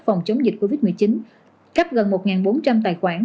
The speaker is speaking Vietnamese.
phòng chống dịch covid một mươi chín cấp gần một bốn trăm linh tài khoản